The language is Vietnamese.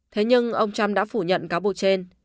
thế nhưng ông trump đã phủ nhận cáo buộc trên